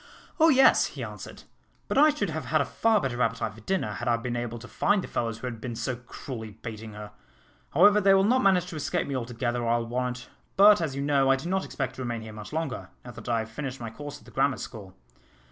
"Oh, yes!" he answered; "but I should have had a far better appetite for dinner, had I been able to find the fellows who had been so cruelly baiting her. However, they will not manage to escape me altogether, I'll warrant; but, as you know, I do not expect to remain here much longer, now that I have finished my course at the Grammar School.